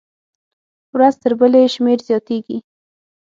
ورځ تر بلې یې شمېر زیاتېږي.